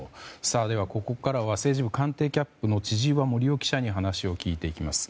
ここからは政治部官邸キャップの千々岩森生記者に話を聞いていきます。